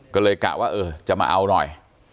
ก็เลยกะว่าเออจะมาเอาหน่อย